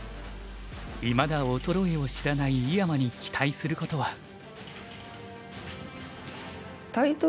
いまだ衰えを知らない井山に期待することは。